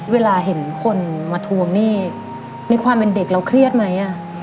เวลาเห็นคนมาทวงหนี้ในความเป็นเด็กเราเครียดไหม